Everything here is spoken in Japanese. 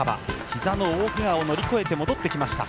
ひざの大けがを乗り越えて戻ってきました。